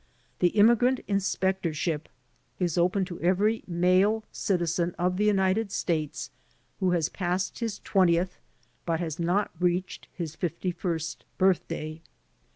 The immigrant inspectorship is open to every male citizen of the United States who has passed his twentieth but has not reached his fifty first birthday.